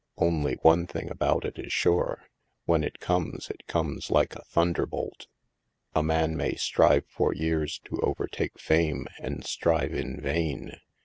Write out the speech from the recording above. Only one thing about it is sure; when it comes, it comes like a thunderbolt. A man may strive for years to overtake Fame, and strive in vain.